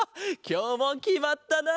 きょうもきまったな！